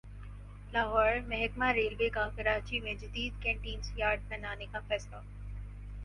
لاہور محکمہ ریلوے کا کراچی میں جدید کنٹینر یارڈ بنانے کا فیصلہ